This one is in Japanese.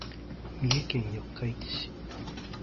三重県四日市市